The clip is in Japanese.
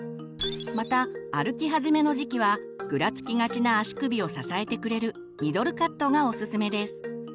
また歩き始めの時期はぐらつきがちな足首を支えてくれる「ミドルカット」がおすすめです。